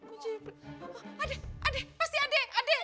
ada ada pasti ada